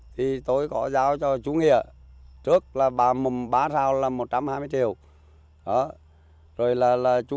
thì tôi có giao cho chú nghĩa trước là bà mùm bá rào là một trăm hai mươi triệu